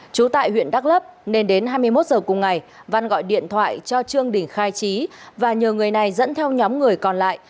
trú tại huyện đắk lấp nên đến hai mươi một h cùng ngày văn gọi điện thoại cho trương đình khai trí và nhờ người này dẫn theo nhóm người còn lại